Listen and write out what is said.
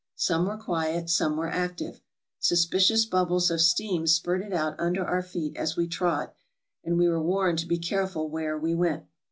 Some were quiet, some were active. Suspicious bubbles of steam spurted out under our feet as we trod, and we were warned to be careful where we went.